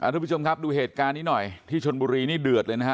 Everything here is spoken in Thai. ทุกผู้ชมครับดูเหตุการณ์นี้หน่อยที่ชนบุรีนี่เดือดเลยนะฮะ